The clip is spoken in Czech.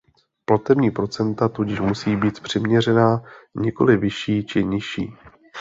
Platební procenta tudíž musí být přiměřená, nikoli vyšší či nižší.